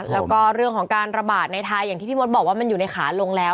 แล้วก็เรื่องของการระบาดในไทยอย่างที่พี่มดบอกว่ามันอยู่ในขาลงแล้ว